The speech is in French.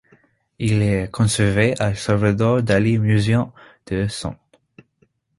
Elle est conservée au Salvador Dali Museum de St.